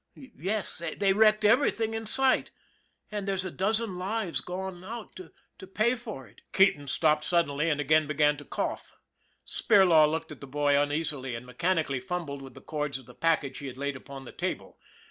Yes, they wrecked everything in sight, and there's a dozen lives gone out to pay for 142 ON THE IRON AT BIG CLOUD it." Keating stopped suddenly, and again began to cough. Spirlaw looked at the boy uneasily, and mechan ically fumbled with the cords of the package he had laid upon the table.